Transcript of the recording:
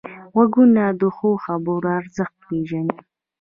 غوږونه د ښو خبرو ارزښت پېژني